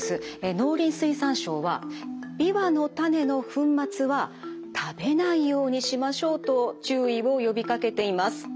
農林水産省はビワの種の粉末は食べないようにしましょうと注意を呼びかけています。